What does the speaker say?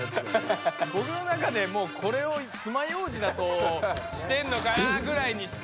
ぼくの中でもうこれをつまようじだとしてんのかなぐらいにしか。